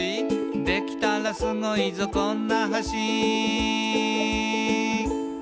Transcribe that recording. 「できたらスゴいぞこんな橋」